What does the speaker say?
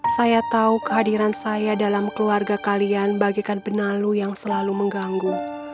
saya tahu kehadiran saya dalam keluarga kalian bagikan benalu yang selalu mengganggu